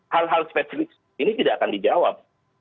hal hal spesifik ini tidak akan dijawab